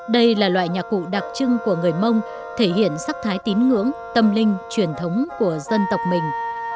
đây là loại nhạc cụ đặc trưng của người mông thể hiện sắc thái tín ngưỡng tâm linh truyền thống của dân tộc mình